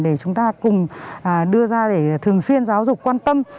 để chúng ta cùng đưa ra để thường xuyên giáo dục quan tâm